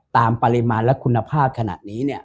ตามปริมาณและคุณภาพขนาดนี้